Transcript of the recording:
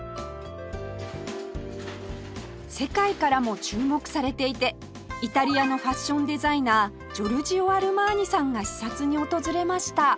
世界からも注目されていてイタリアのファッションデザイナージョルジオ・アルマーニさんが視察に訪れました